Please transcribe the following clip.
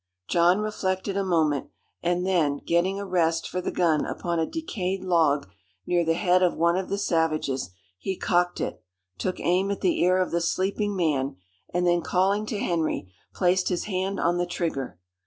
John reflected a moment, and then, getting a rest for the gun upon a decayed log near the head of one of the savages, he cocked it, took aim at the ear of the sleeping man, and then calling to Henry, placed his hand on the trigger.